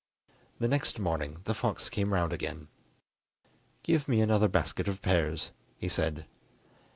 The next morning the fox came round again. "Give me another basket of pears," he said.